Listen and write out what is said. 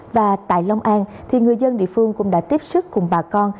và tại long an người dân địa phương cũng đã tiếp sức cùng bà con